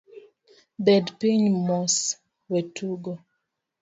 Bed piny mos, wetugo.